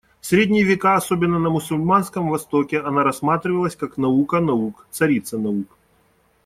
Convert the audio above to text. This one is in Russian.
В Средние века, особенно на мусульманском Востоке она рассматривалась как наука наук, царица наук.